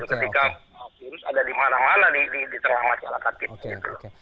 ketika virus ada di mana mana di tengah masyarakat kita gitu loh